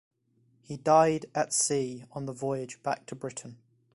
He died at sea on the voyage back to Britain.